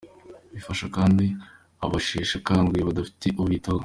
Bifasha kandi abasheshe akanguhe badafite ubitaho.